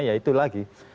ya itu lagi